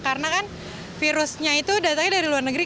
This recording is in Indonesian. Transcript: karena kan virusnya itu datangnya dari luar negeri